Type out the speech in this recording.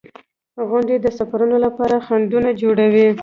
• غونډۍ د سفرونو لپاره خنډونه جوړوي.